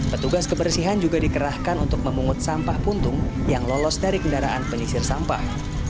petugas kebersihan juga dikerahkan untuk memungut sampah puntung yang lolos dari kendaraan penyisir sampah